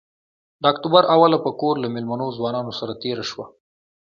د اکتوبر اوله په کور له مېلمنو ځوانانو سره تېره شوه.